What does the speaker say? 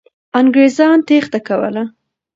انګریزان تېښته کوله.